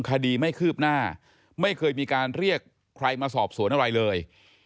คดีไม่คืบหน้าไม่เคยมีการเรียกใครมาสอบสวนอะไรเลย